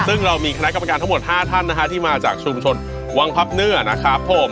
ซึ่งเรามีคณะกรรมการทั้งหมด๕ท่านนะฮะที่มาจากชุมชนวังพับเนื้อนะครับผม